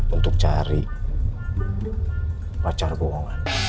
untuk cari pacar bohongan